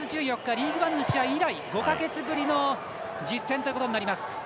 リーグワンの試合以来５か月ぶりの実戦となります。